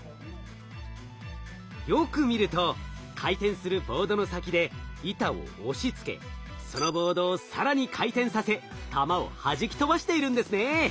よく見ると回転するボードの先で板を押しつけそのボードを更に回転させ玉をはじき飛ばしているんですね。